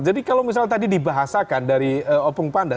jadi kalau misalnya tadi dibahasakan dari opung panda